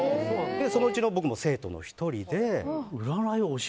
そのうちの僕も生徒の１人で。